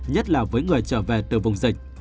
nhất là với người trở về từ vùng dịch